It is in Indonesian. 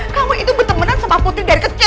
kamu itu bertemanan sama putri dari kecil